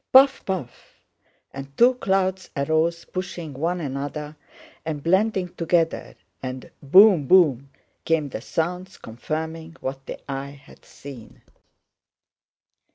"Puff! puff!"—and two clouds arose pushing one another and blending together; and "boom, boom!" came the sounds confirming what the eye had seen.